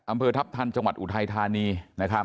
อำเภอทัพทันจังหวัดอุทัยธานี